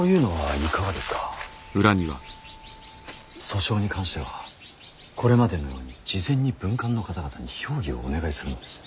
訴訟に関してはこれまでのように事前に文官の方々に評議をお願いするのです。